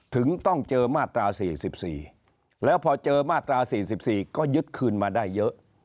ถึงต้องเจอมาตรา๔๔แล้วพอเจอมาตรา๔๔ก็ยึดคืนมาได้เยอะ